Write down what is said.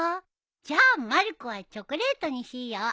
じゃまる子はチョコレートにしよう。